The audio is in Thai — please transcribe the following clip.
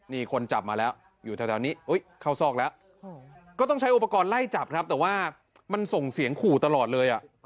นี่คนจับมาแล้วอยู่แถวนี้เข้าซอกแล้วก็ต้องใช้อุปกรณ์ไล่จับครับแต่ว่ามันส่งเสียงขู่ตลอดเลย